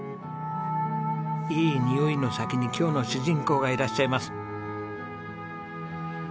いいにおいの先に今日の主人公がいらっしゃいます。